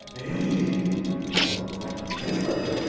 ほら俺たちはさ